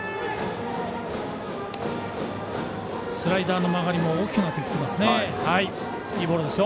スライダーの曲がりも大きくなってきてます。